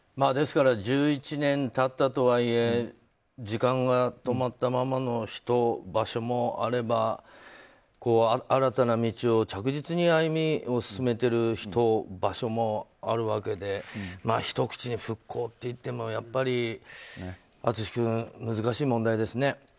ですから１１年経ったとはいえ時間が止まったままの人場所もあれば、新たな道を着実に歩みを進めている人、場所もあるわけでひと口に復興って言ってもやっぱり淳君、難しい問題ですね。